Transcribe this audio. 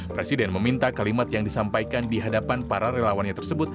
presiden meminta kalimat yang disampaikan di hadapan para relawannya tersebut